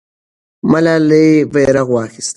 ملالۍ بیرغ واخیست.